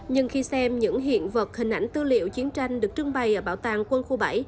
nhưng khi xem những hiện vật hình ảnh tư liệu chiến tranh được trưng bày ở bảo tàng quân khu bảy